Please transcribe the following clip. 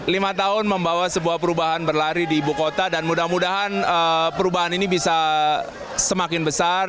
lima tahun membawa sebuah perubahan berlari di ibu kota dan mudah mudahan perubahan ini bisa semakin besar